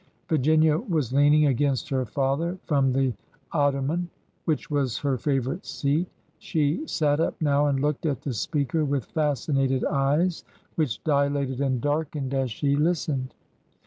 Virginia was leaning against her father from the ot toman which was her favorite seat. She sat up now, and looked at the speaker with fascinated eyes which dilated and darkened as she listened.